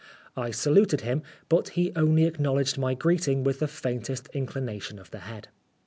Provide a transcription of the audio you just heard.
I saluted him, but he only acknow ledged my greeting with the faintest incli nation of the head.